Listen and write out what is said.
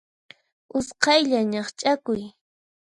Usqhaylla ñaqch'akuy.